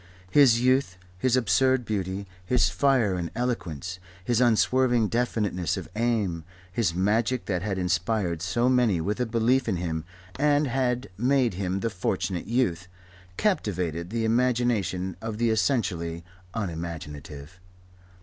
His youth, his absurd beauty, his fire and eloquence, his unswerving definiteness of aim, his magic that had inspired so many with a belief in him and had made him the Fortunate Youth, captivated the imagination of the essentially unimaginative.